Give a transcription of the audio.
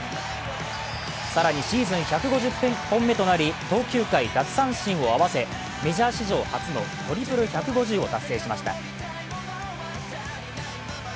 更にシーズン１５０本目となり投球回、奪三振と並びメジャー史上初のトリプル１５０を達成しました。